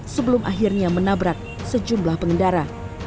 sebelum akhirnya menabrak sejumlah pengendara